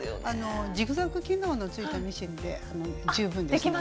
ジグザグ機能のついたミシンで十分できるので。